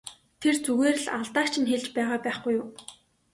Тэр зүгээр л алдааг чинь хэлж байгаа байхгүй юу!